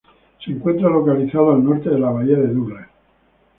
Se encuentra localizado al norte de la bahía de Douglas.